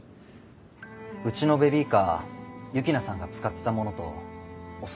うちのベビーカー幸那さんが使ってたものとおそろいなんです。